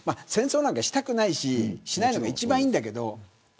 戦争なんかしたくないししないのが一番いいんだけど。